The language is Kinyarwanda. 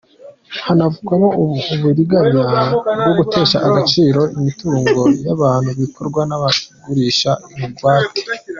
Hanavugwamo uburiganya bwo gutesha agaciro imitungo y’abantu bikorwa n’abagurisha ingwate.